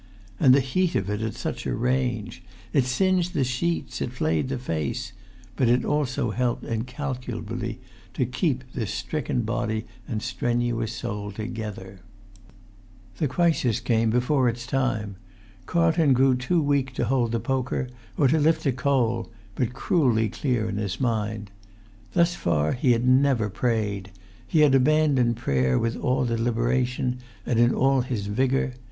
And the heat of it at such a range! It singed the sheets; it flayed the face; but it also helped in[Pg 220]calculably to keep this stricken body and this strenuous soul together. The crisis came before its time. Carlton grew too weak to hold the poker or to lift a coal, but cruelly clear in his mind. Thus far he had never prayed. He had abandoned prayer with all deliberation and in all his vigour.